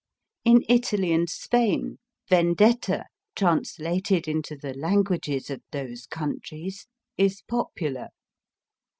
In Italy and Spain Vendetta/ translated into the languages of those countries, is popular.